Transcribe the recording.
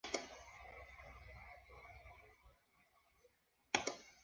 En la segunda temporada, la agencia revela ser dirigida por Amanda Waller.